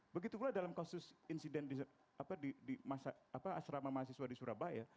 begitukulah dalam kasus insiden di asrama mahasiswa di surabaya